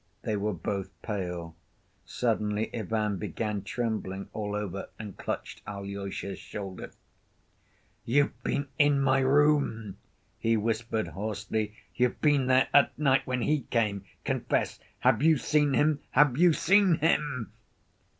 They were both pale. Suddenly Ivan began trembling all over, and clutched Alyosha's shoulder. "You've been in my room!" he whispered hoarsely. "You've been there at night, when he came.... Confess ... have you seen him, have you seen him?"